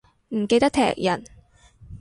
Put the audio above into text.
唔記得踢人